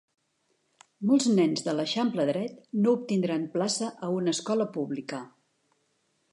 Molts nens de l'Eixample dret no obtindran plaça a una escola pública.